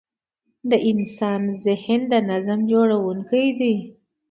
د انسان ذهن د نظم جوړوونکی دی.